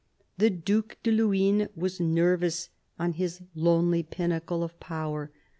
The Due de Luynes was nervous on his lonely pinnacle of power.